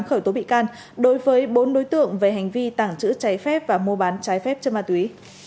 khởi tố bị can đối với bốn đối tượng về hành vi tàng trữ trái phép và mua bán trái phép chất ma túy